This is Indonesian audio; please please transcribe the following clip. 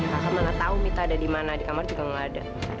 kakak mana tahu kita ada di mana di kamar juga nggak ada